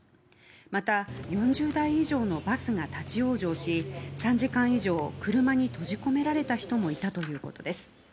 また、４０台以上のバスが立ち往生し、３時間以上車に閉じ込められた人もいたということです。